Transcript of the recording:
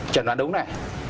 chẩn đoán đúng này